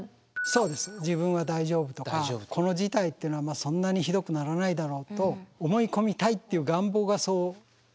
そうです「自分は大丈夫」とかこの事態っていうのはそんなにひどくならないだろうと思い込みたいっていう願望がそうなってしまうんですね。